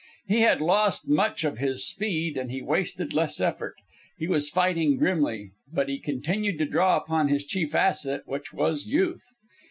He had lost much of his speed, and he wasted less effort. He was fighting grimly; but he continued to draw upon his chief asset, which was Youth.